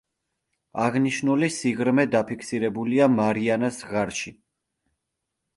აღნიშნული სიღრმე დაფიქსირებულია მარიანას ღარში.